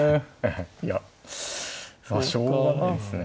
いやまあしょうがないですね。